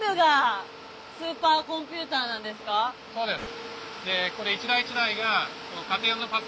そうです。